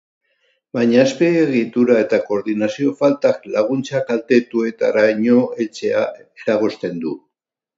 Baina azpiegitura eta koordinazio faltak laguntza kaltetuetaraino heltzea eragozten du.